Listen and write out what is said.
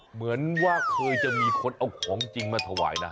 เหมือนว่าเคยจะมีคนเอาของจริงมาถวายนะ